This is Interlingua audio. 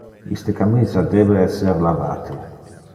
Iste camisa debe esser lavate.